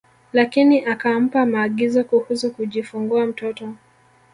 Lakini akampa maagizo kuhusu kujifungua mtoto